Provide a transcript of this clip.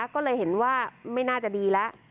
ก็เลยเห็นว่าไม่น่าจะดีแล้ว